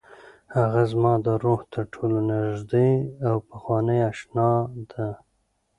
هغه زما د روح تر ټولو نږدې او پخوانۍ اشنا ده.